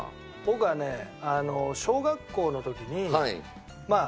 僕はねあの小学校の時にまあ